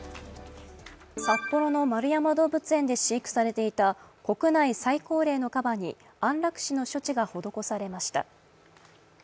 札幌の円山動物園で飼育されていた国内最高齢のかばに安楽死の処置が施されました。